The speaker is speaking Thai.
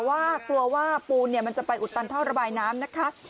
ว่ากลัวว่าปูนมันจะไปอุดตันท่อระบายน้ำนะคะ